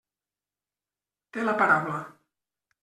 Té la paraula.